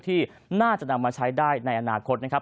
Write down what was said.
ที่น่าจะนำมาใช้ได้ในอนาคตนะครับ